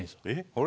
あれ？